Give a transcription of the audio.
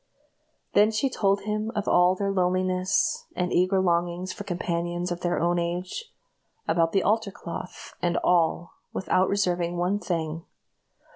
Then she told him of all their loneliness, and eager longings for companions of their own age; about the altar cloth and all, without reserving one thing.